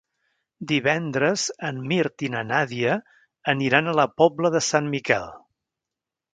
Divendres en Mirt i na Nàdia aniran a la Pobla de Sant Miquel.